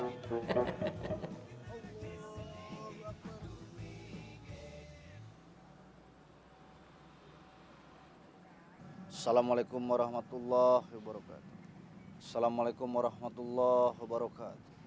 assalamualaikum warahmatullah wabarakatuh assalamualaikum warahmatullah wabarakatuh